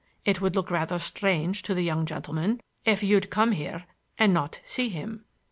It would look rather strange to the young gentleman if you'd come here and not see him."